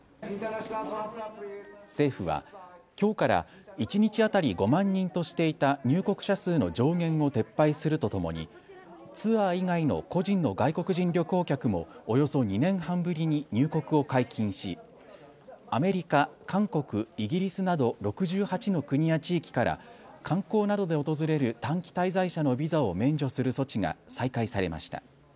政府は、きょうから１日当たり５万人としていた入国者数の上限を撤廃するとともにツアー以外の個人の外国人旅行客もおよそ２年半ぶりに入国を解禁しアメリカ、韓国、イギリスなど６８の国や地域から観光などで訪れる短期滞在者のビザを免除する措置が再開されました。